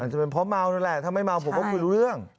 จะเป็นเพราะเมานั่นแหละถ้าไม่เมาผมก็คุยรู้เรื่อง